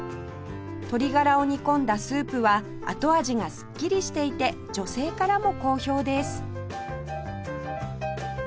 鶏ガラを煮込んだスープは後味がスッキリしていて女性からも好評です